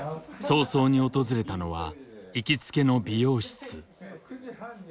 早々に訪れたのは行きつけの美容室。